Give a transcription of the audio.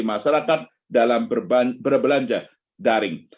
masyarakat dalam berbelanja daring